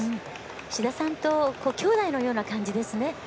志田さんときょうだいのような感じですね。